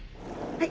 はい。